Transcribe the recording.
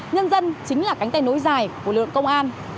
nhân dân chính là cánh tay nối dài của lượng công an